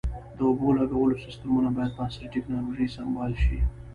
د اوبو لګولو سیستمونه باید په عصري ټکنالوژۍ سنبال شي.